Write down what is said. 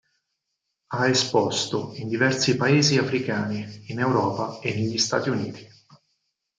Ha esposto in diversi paesi africani, in Europa e negli Stati Uniti.